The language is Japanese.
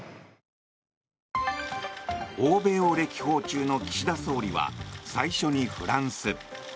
欧米を歴訪中の岸田総理は最初にフランス。